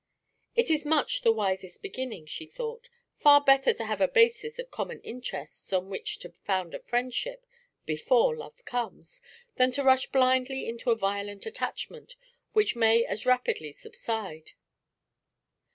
"It is much the wisest beginning," she thought. "Far better to have a basis of common interests on which to found a friendship before love comes, than to rush blindly into a violent attachment, which may as rapidly subside.